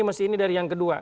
mesti ini dari yang kedua